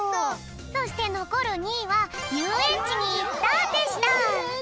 そしてのこる２いは「ゆうえんちにいった」でした。